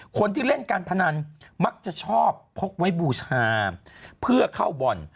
คนที่เล่นการพนันมักจะชอบพกไว้บูชาเพื่อเข้าบ่อน